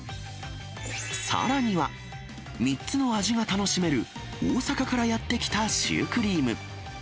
さらには、３つの味が楽しめる大阪からやって来たシュークリーム。